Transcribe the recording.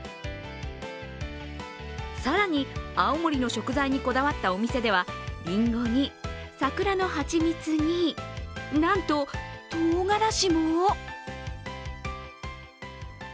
更に、青森の食材にこだわったお店では、りんごに、桜の蜂蜜に、なんと、とうがらしも？